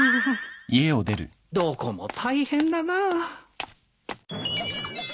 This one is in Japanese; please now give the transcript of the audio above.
どこも大変だな。